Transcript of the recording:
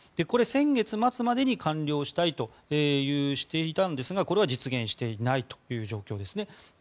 これは先月末までに完了したいとしていたんですがこれは実現していないという状況ですね。